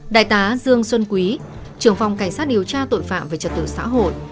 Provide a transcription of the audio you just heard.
đại tá dương xuân quý trưởng phòng cảnh sát điều tra tội phạm về trật tự xã hội